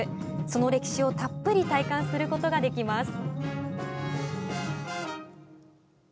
その歴史をたっぷり体感することができます。